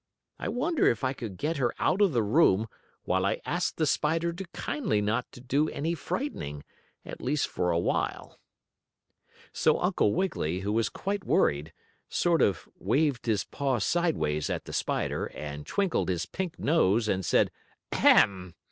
I wonder if I could get her out of the room while I asked the spider to kindly not to do any frightening, at least for a while?" So Uncle Wiggily, who was quite worried, sort of waved his paw sideways at the spider, and twinkled his pink nose and said "Ahem!"